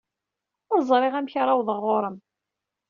Ur ẓriɣ amek ara awḍeɣ ɣer-m.